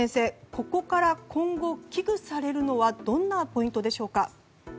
ここから今後危惧されるのはどんなポイントでしょうか？